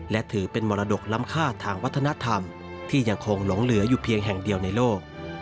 และถือเป็นมรดกล้ำค่าทางวัฒนธรรมที่ยังคงหลงเหลืออยู่เพียงแห่งเดียวในโลก